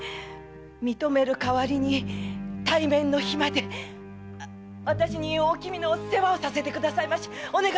認める代わりに対面の日までわたしにおきみの世話をさせてくださいまし。